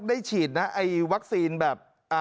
ได้ฉีดไวคซีนแบบ